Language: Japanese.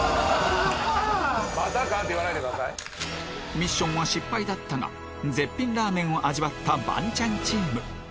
ミッションは失敗だったが絶品ラーメンを味わったバンチャンチーム